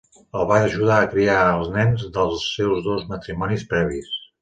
El va ajudar a criar els nens dels seus dos matrimonis previs.